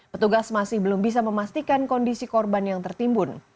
petugas masih belum bisa memastikan kondisi korban yang tertimbun